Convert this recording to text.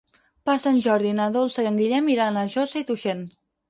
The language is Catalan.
Per Sant Jordi na Dolça i en Guillem aniran a Josa i Tuixén.